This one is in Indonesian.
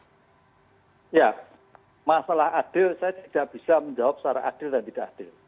ya masalah adil saya tidak bisa menjawab secara adil dan tidak adil